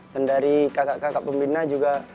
dan dari kakak kakak pembina juga